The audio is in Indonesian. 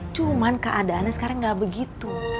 cuman keadaannya sekarang nggak begitu